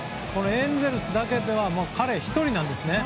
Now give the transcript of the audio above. エンゼルスでは彼１人なんですね。